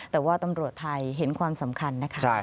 แต่ว่าตำรวจไทยเห็นความสำคัญนะคะ